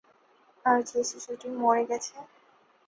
আর যে শিশুটি মরে গেছে?